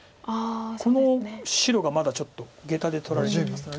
この白がまだちょっとゲタで取られてますので。